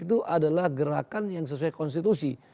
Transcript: itu adalah gerakan yang sesuai konstitusi